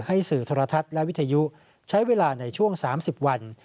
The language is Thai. สื่อโทรทัศน์และวิทยุใช้เวลาในช่วง๓๐วัน